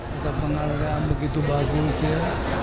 pemanggangan di ambil itu bagus ya